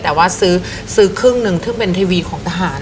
แต่ว่าซื้อครึ่งหนึ่งซึ่งเป็นทีวีของทหาร